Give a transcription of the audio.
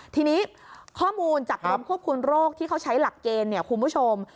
ทีนี้ข้อมูลจากกรมควบคุมโรคที่เขาใช้หลักเกณฑ์เนี่ยคุณผู้ชม